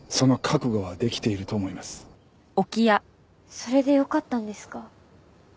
それでよかったんですか？